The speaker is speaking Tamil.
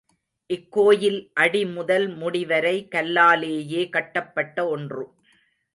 இக்கோயில் அடி முதல் முடி வரை கல்லாலேயே கட்டப்பட்ட ஒன்று.